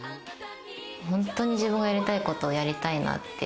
本当に自分がやりたいことをやりたいなって。